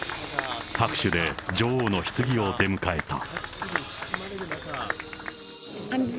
拍手で女王のひつぎを出迎えた。